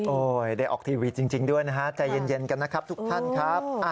ได้ออกทีวีจริงด้วยนะฮะใจเย็นกันนะครับทุกท่านครับ